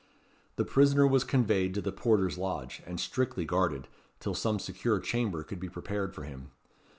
The prisoner was conveyed to the porter's lodge, and strictly guarded, till some secure chamber could be prepared for him.